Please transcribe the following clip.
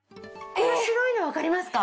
この白いの分かりますか？